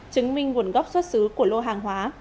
chứng minh nguồn gốc xuất xứ của lô hàng hóa